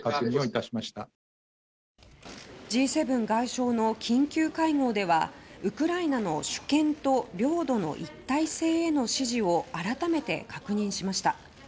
Ｇ７外相の緊急会合ではウクライナの主権と領土の一体性への支持を改めて確認しました。